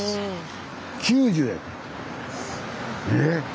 え？